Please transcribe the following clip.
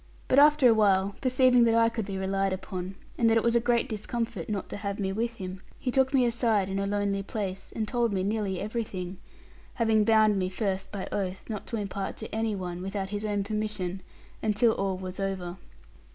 But, after awhile, perceiving that I could be relied upon, and that it was a great discomfort not to have me with him, he took me aside in a lonely place, and told me nearly everything; having bound me first by oath, not to impart to any one, without his own permission, until all was over.